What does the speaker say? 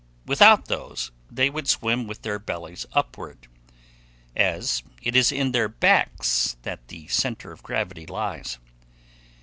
Without those, they would swim with their bellies upward, as it is in their backs that the centre of gravity lies.